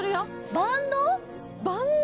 バンド？